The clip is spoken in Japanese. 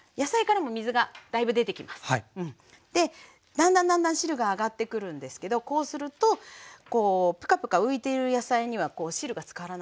だんだんだんだん汁が上がってくるんですけどこうするとプカプカ浮いている野菜には汁が浸からないんです。